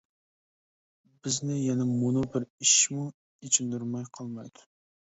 بىزنى يەنە مۇنۇ بىر ئىشمۇ ئېچىندۇرماي قالمايدۇ.